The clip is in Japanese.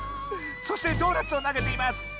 そしてドーナツをなげています。